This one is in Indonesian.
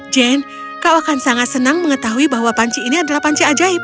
jane kau akan sangat senang mengetahui bahwa panci ini adalah panci ajaib